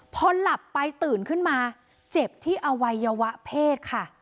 พอหลับไปตื่นขึ้นมาเจ็บที่อวัยวะเพศค่ะ